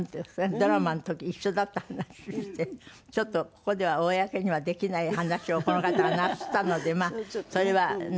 ドラマの時一緒だった話してちょっとここでは公にはできない話をこの方がなすったのでまあそれはなしにして。